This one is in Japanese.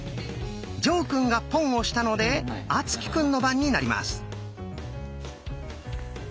呈くんが「ポン」をしたので敦貴くんの番になります。